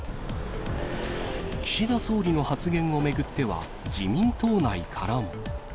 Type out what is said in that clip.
岸田総理の発言を巡っては、自民党内からも。